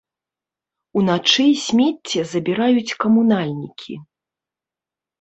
Уначы смецце забіраюць камунальнікі.